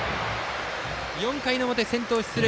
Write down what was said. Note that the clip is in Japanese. ４回の表、先頭が出塁。